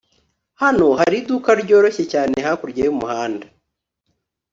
hano hari iduka ryoroshye cyane hakurya y'umuhanda